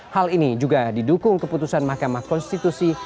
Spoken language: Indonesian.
hal ini juga didukung keputusan mahkamah konstitusi